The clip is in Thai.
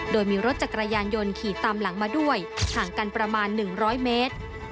โดยมีรถจักรยานยนต์ขี่ตามหลังมาด้วยห่างกันประมาณ๑๐๐เมตร